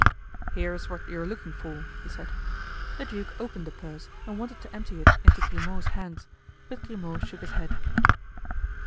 "Here is what you are looking for," he said. The duke opened the purse and wanted to empty it into Grimaud's hands, but Grimaud shook his head.